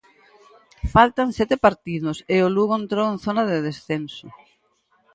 Faltan sete partidos e o Lugo entrou en zona de descenso.